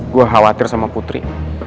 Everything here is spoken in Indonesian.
gue khawatir sama putri